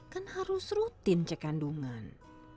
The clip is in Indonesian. kan harus rutin cek kandungan